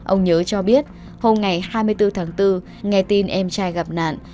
ông nhớ cho biết hôm ngày hai mươi bốn tháng bốn nghe tin em trai gặp nạn